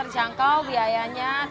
biayanya selain terjangkau